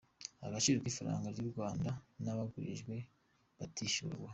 Agaciro k’ifaranga ry’u Rwanda n’abagurijwe batishyurwa.